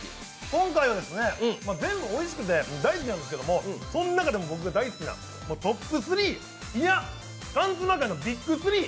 今回は全部おいしくて大好きなんですけどその中でも僕が大好きなボックス３いや、缶つま界のビッグ３